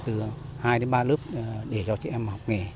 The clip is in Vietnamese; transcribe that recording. từ hai đến ba lớp để cho chị em học nghề